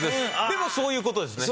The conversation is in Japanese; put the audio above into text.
でもそういう事ですね。